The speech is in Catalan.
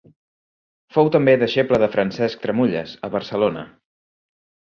Fou també deixeble de Francesc Tramulles, a Barcelona.